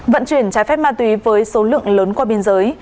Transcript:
vận chuyển trái phép ma túy với số lượng lớn qua biên giới